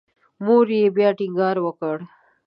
مور یې بیا ټینګار وکړ.